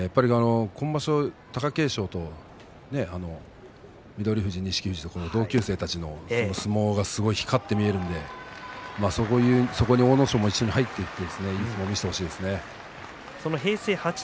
今場所、貴景勝と翠富士、錦富士と同期生たちの相撲はすごい光って見えるのでそこに阿武咲も一緒に入っていって、いい相撲を見せてほしいですね。